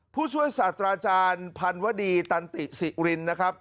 ผู้ช่วยศาสตราจารย์พันวดีตันติสิรินนะครับ